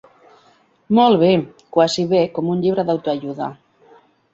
Molt bé, quasi bé com un llibre d'autoajuda.